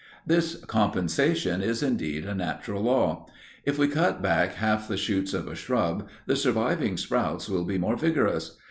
This compensation is, indeed, a natural law. If we cut back half the shoots of a shrub, the surviving sprouts will be more vigorous.